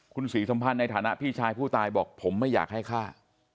คุณศรีสมพันธ์ในฐานะพี่ชายผู้ตายบอกผมไม่อยากให้ฆ่า